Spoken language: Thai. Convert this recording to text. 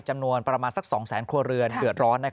จำนวนประมาณสัก๒แสนครัวเรือนเดือดร้อน